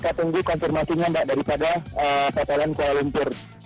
kita tunggu konfirmasinya mbak daripada totalan kuala lumpur